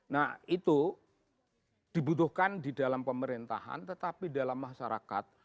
nah itu dibutuhkan di dalam pemerintahan tetapi dalam masyarakat